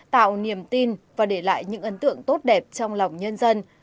tạo niềm tin và để lại những ấn tượng tốt đẹp trong lòng nhân dân